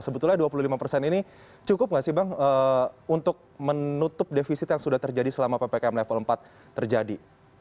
sebetulnya dua puluh lima persen ini cukup nggak sih bang untuk menutup defisit yang sudah terjadi selama ppkm level empat terjadi